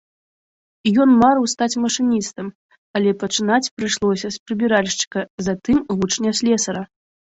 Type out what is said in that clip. Ён марыў стаць машыністам, але пачынаць прыйшлося з прыбіральшчыка, затым вучня слесара.